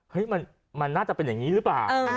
มันน่าจะเป็นอย่างนี้หรือเปล่า